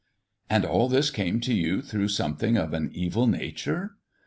"And all this came to you through something of an evil nature?"